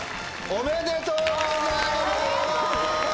ありがとうございます。